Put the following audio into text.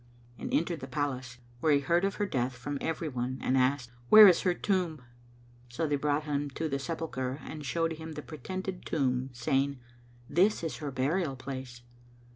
and entered the Palace, where he heard of her death from every one and asked, "Where is her tomb?" So they brought him to the sepulchre and showed him the pretended tomb, saying, "This is her burial place."